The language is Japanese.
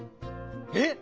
えっ！？